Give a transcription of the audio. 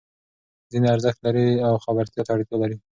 ځینې ارزښت لري او خبرتیا ته اړتیا لري.